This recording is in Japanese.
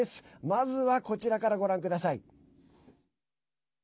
まずは、こちらからご覧ください。